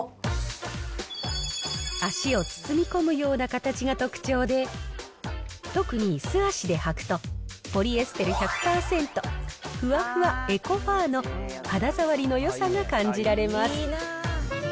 足を包み込むような形が特徴で、特に素足で履くと、ポリエステル１００％、ふわふわエコファーの肌触りのよさが感じられます。